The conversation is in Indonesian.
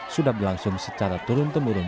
sudah berlangsung secara turun temurun